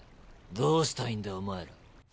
どうしたいんだおまえら。